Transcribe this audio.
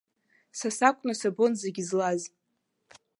Са сакәны сабон зегьы злаз.